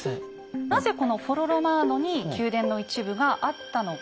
なぜこのフォロ・ロマーノに宮殿の一部があったのか。